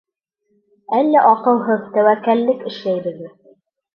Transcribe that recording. Әллә аҡылһыҙ тәүәккәллек эшләйбеҙме?